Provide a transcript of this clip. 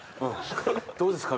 どうですか？